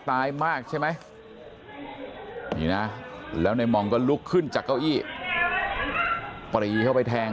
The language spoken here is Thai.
ตายมากใช่ไหมนี่นะแล้วในมองก็ลุกขึ้นจากเก้าอี้ปรีเข้าไปแทง